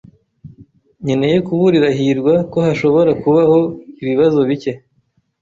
Nkeneye kuburira hirwa ko hashobora kubaho ibibazo bike.